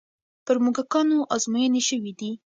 پر موږکانو ازموینې شوې دي.